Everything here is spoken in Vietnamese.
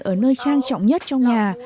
ở nơi trang trọng nhất trong nhà